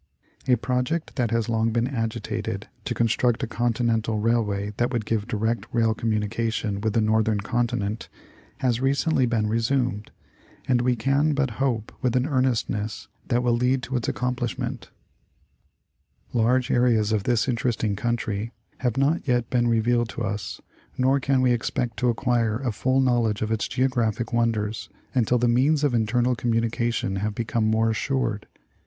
A project that has long been agitated, to construct a continen tal railway that would give direct rail communication with the northern continent, has recently been resumed, and we can but hope with an earnestness that will lead to its accomplishment. Geography of the Land. 133 Large areas of this interesting country have not yet been revealed to us, nor can we expect to acquire a full knowledge of its Geo graphic wonders until the means of internal communication have become more assured.